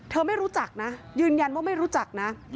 ไม่รู้จักนะยืนยันว่าไม่รู้จักนะ